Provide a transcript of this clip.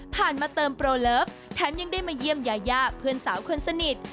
มาเติมโปรเลิฟแถมยังได้มาเยี่ยมยายาเพื่อนสาวคนสนิท